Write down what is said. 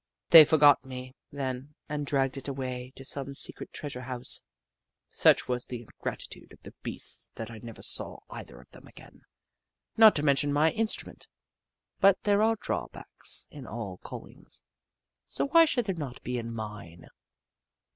They forgot me, then, and dragged it away to some secret treasure house. Such was the ingratitude of the beasts that I never saw o either of them again, not to mention my in strument, but there are drawbacks in all call ings, so why should there not be in mine